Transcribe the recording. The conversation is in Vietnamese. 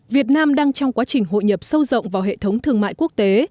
việt nam đang trong quá trình hội nhập sâu rộng vào hệ thống thương mại quốc tế